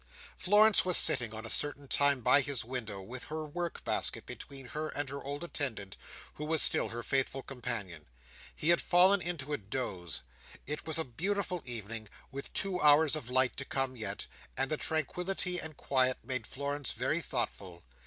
Florence was sitting on a certain time by his window, with her work basket between her and her old attendant, who was still her faithful companion. He had fallen into a doze. It was a beautiful evening, with two hours of light to come yet; and the tranquillity and quiet made Florence very thoughtful.